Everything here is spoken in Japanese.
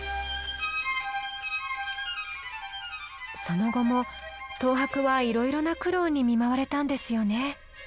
その後も東博はいろいろな苦労に見舞われたんですよね。